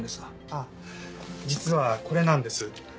ああ実はこれなんです。